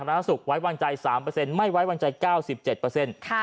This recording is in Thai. สนับหน้าสุขไว้วางใจ๓เปอร์เซ็นต์ไม่ไว้วางใจ๙๗เปอร์เซ็นต์